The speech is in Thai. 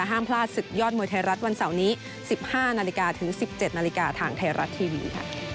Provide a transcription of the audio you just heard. ห้ามพลาดสุดยอดมวยไทยรัฐวันเสาร์นี้๑๕๑๗นทางไทยรัฐทีวี